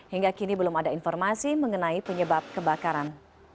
hingga kini belum ada informasi mengenai penyebab kebakaran